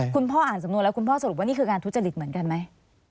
คุณพ่ออ่านสำนวนแล้วคุณพ่อสรุปว่านี่คือการทุจริตเหมือนกันไหม